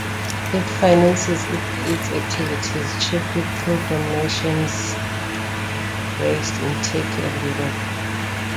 It finances its activities chiefly through donations raised in Turkey and Europe.